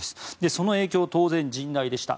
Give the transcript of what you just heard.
その影響は当然、甚大でした。